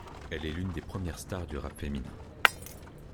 Elle est l'une des premières stars du rap féminin.